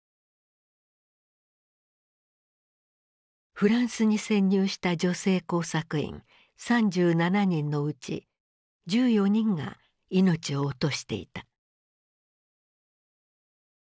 フランスに潜入した女性工作員３７人のうち１４人が命を落としていた。